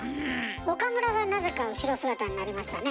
岡村がなぜか後ろ姿になりましたね。